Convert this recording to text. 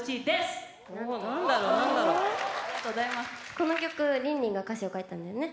この曲、リンリンが歌詞を書いたんだよね。